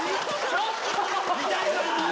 ちょっと！